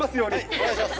お願いします。